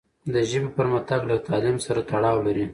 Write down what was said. د ژبې پرمختګ له تعلیم سره تړاو لري.